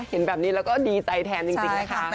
เห็นแบบนี้แล้วก็ดีใจแทนจริงนะคะ